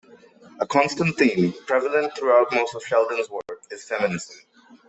A constant theme, prevalent throughout most of Sheldon's work, is feminism.